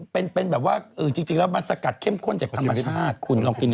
เป็นแบบว่าจริงแล้วมันสกัดเข้มข้นจากธรรมชาติคุณลองกิน